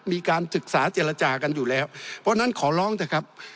มีการศึกษาเจรจากันอยู่แล้วเพราะฉะนั้นขอร้องเถอะครับ